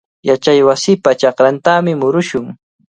Yachaywasipa chakrantami murushun.